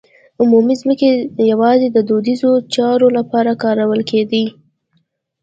عمومي ځمکې یوازې د دودیزو چارو لپاره کارول کېدې.